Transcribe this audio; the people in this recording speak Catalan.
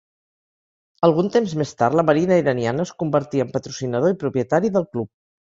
Algun temps més tard la marina iraniana es convertí en patrocinador i propietari del club.